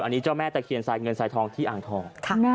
อันนี้เจ้าแม่ตะเคียนสายเงินสายทองที่อ่างทอง